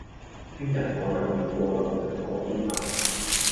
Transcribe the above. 聽日我又要過倫敦個邊喇